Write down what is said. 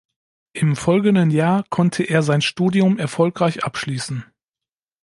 Im folgenden Jahr konnte er sein Studium erfolgreich abschließen.